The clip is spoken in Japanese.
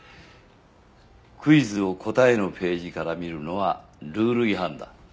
クイズを答えのページから見るのはルール違反だ。